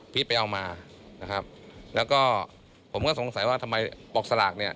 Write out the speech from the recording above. ไปเอามานะครับแล้วก็ผมก็สงสัยว่าทำไมบอกสลากเนี่ย